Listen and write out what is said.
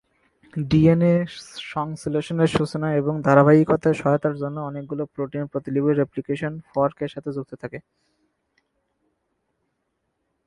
DNA সংশ্লেষণের সূচনা এবং ধারাবাহিকতায় সহায়তার জন্য অনেকগুলো প্রোটিন প্রতিলিপি রেপ্লিকেশন ফর্ক এর সাথে যুক্ত থাকে।